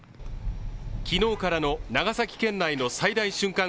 昨日からの長崎県内の最大瞬間